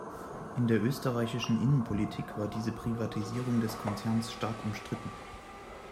In der österreichischen Innenpolitik war diese Privatisierung des Konzerns stark umstritten.